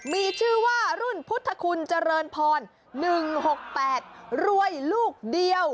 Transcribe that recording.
มีชื่อว่ารุ่นพุทธคุณเจริญพร๑๖๘รวยลูกเดียว